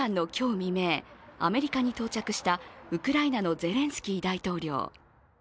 未明、アメリカに到着したウクライナのゼレンスキー大統領。